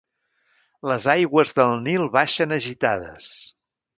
Les aigües del Nil baixen agitades.